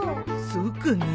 そうかな？